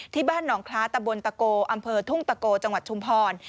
ที่บ้านหนองคล้าตะบนตะโกอำเภอทุ่งตะโกจังหวัดชุมพร